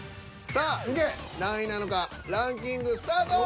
さあ何位なのかランキングスタート！